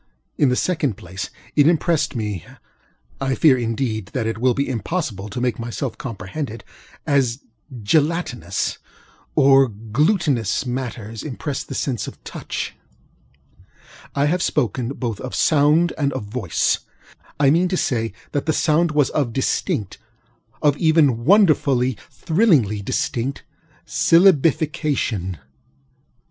In the second place, it impressed me (I fear, indeed, that it will be impossible to make myself comprehended) as gelatinous or glutinous matters impress the sense of touch. I have spoken both of ŌĆ£soundŌĆØ and of ŌĆ£voice. ŌĆØ I mean to say that the sound was one of distinctŌĆöof even wonderfully, thrillingly distinctŌĆösyllabification. M.